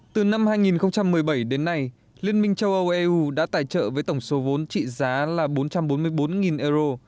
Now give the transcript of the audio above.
từ năm hai nghìn một mươi bảy đến nay liên minh châu âu eu đã tài trợ với tổng số vốn trị giá là bốn trăm bốn mươi bốn euro